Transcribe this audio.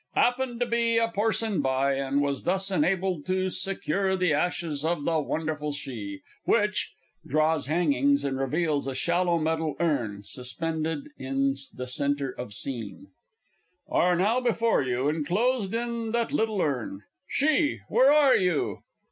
I 'appened to be porsin by, and was thus enabled to secure the ashes of the Wonderful SHE, which (draws hangings and reveals a shallow metal Urn suspended in the centre of scene) are now before you enclosed in that little urn. She where are you?